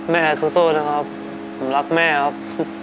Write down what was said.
แม่สู้นะครับผมรักแม่ครับ